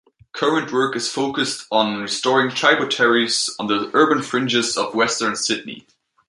Current work is focussed on restoring tributaries on the urban fringes of Western Sydney.